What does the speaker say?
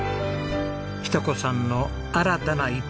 日登子さんの新たな一歩。